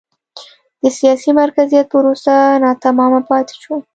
د سیاسي مرکزیت پروسه ناتمامه پاتې شوه.